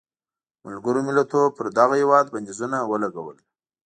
ملګرو ملتونو پر دغه هېواد بندیزونه ولګول.